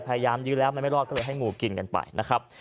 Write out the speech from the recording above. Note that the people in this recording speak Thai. ยื้อแล้วมันไม่รอดก็เลยให้งูกินกันไปนะครับ